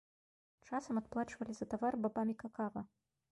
Часам адплачвалі за тавар бабамі какава.